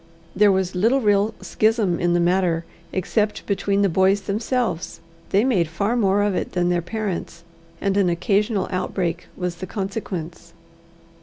There was little real schism in the matter, except between the boys themselves. They made far more of it than their parents, and an occasional outbreak was the consequence.